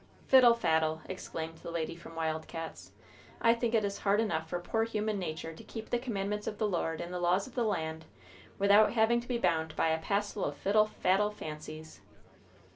"Fiddle faddle!" exclaimed the lady from Wild Cats'. "I think it is hard enough for poor human natur' to keep the commandments of the Lord and the laws of the land without having to be bound by a passel of fiddle faddle fancies!"